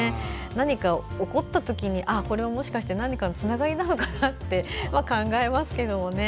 何か起こったときにこれももしかしたら何かのつながりなのかなって考えますけどね。